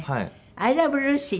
『アイ・ラブ・ルーシー』？